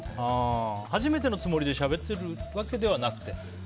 初めてのつもりでしゃべってるわけではなくて？